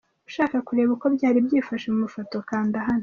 Ushaka kureba uko byari byifashe mu mafoto kanda hano.